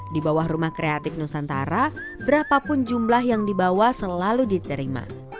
di bawah rumah kreatif nusantara berapapun jumlah yang dibawa selalu diterima